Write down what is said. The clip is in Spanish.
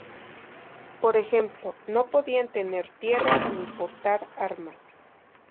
Por ejemplo, no podían tener tierras ni portar armas.